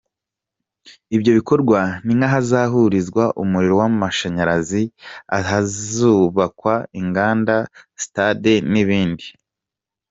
Ibyo bikorwa ni nk’ahazahurizwa umuriro w’amashanyarazi, ahazubakwa inganda, sitade n’ibindi.